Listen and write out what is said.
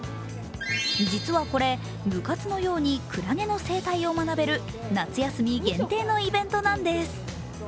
実はこれ、部活のようにクラゲの生態を学べる夏休み限定のイベントなんです。